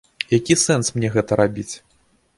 Які сэнс мне гэта рабіць?